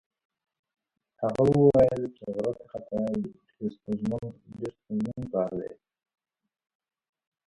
هغه وویل چې غره ته ختل ډېر ستونزمن کار دی.